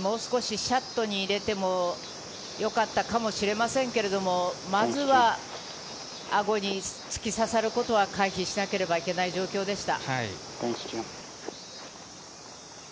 もう少し、シャットに入れてもよかったかもしれませんけれど、まずは、あごに突き刺さることは回避しなければいけない状況でした。